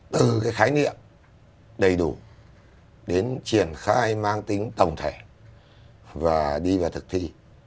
từ cái khái niệm đầy đủ đến triển khai mang tính tổng thể và đi vào thực thi